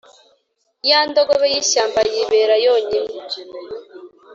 ya ndogobe y’ishyamba yibera yonyine,